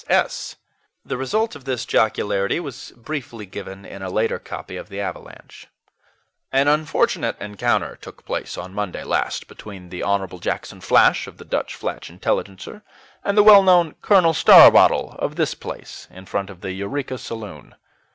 S. S." The result of this jocularity was briefly given in a later copy of the AVALANCHE. "An unfortunate rencounter took place on Monday last, between the Hon. Jackson Flash of THE DUTCH FLAT INTELLIGENCER and the well known Col. Starbottle of this place, in front of the Eureka Saloon.